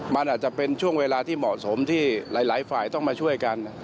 มันอาจจะเป็นช่วงเวลาที่เหมาะสมที่หลายฝ่ายต้องมาช่วยกัน